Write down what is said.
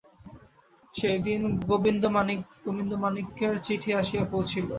সেইদিন গোবিন্দমাণিক্যের চিঠি আসিয়া পৌঁছিল।